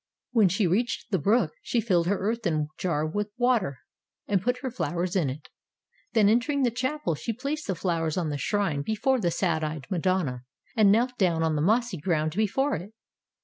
When she reached the brook, she filled her earthern jar with water, and put her flowers in it. Then, entering the chapel, she placed the flowers on the shrine before the sad eyed Madonna, and knelt down on the mossy ground before it.